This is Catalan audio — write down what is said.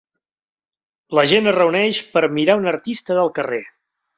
La gent es reuneix per a mirar a un artista del carrer.